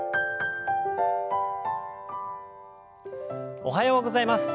おはようございます。